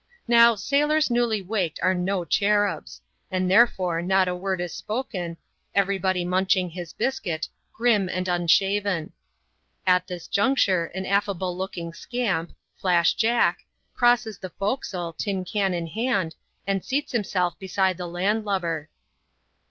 Now, sailors newly waked are no cherubs ; and therefore not a word is spoken, every body munching his biscuit, grim and unshaven. . At this juncture an afiable looking scamp — Flash Jack — crosses the forecastle, tin can in hand, and seats lumself beside the land lubber.